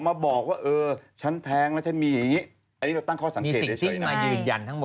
ไม่รู้ว่ามีหรือไม่มีไง